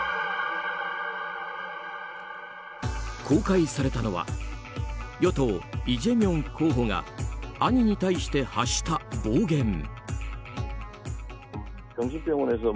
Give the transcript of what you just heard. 公開されたのは与党、イ・ジェミョン候補が兄に対して発した暴言。